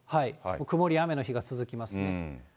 曇りや雨の日が続きますね。